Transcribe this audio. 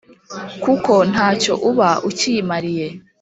Kuko nta cyo uba ukiyimariye